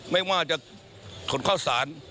ไม่ว่าจะคลนเกล้าศาล